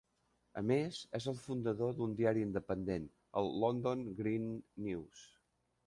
A més, és el fundador d'un diari independent, el "London Green News".